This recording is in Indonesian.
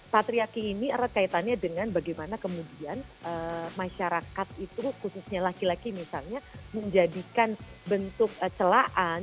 patriaki ini erat kaitannya dengan bagaimana kemudian masyarakat itu khususnya laki laki misalnya menjadikan bentuk celaan